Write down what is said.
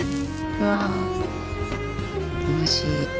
うわっおいしい。